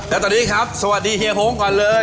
และต่อดีครับสวัสดีเฮียโหงกันเลย